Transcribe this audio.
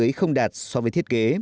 hồ chứa không đạt so với thiết kế